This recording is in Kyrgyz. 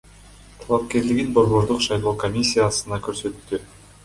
талапкерлигин Борбордук шайлоо комиссиясына көрсөттү.